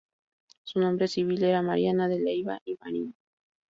Su nombre civil era Marianna De Leyva y Marino.